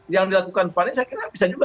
yang dilakukan pan ini saya kira bisa juga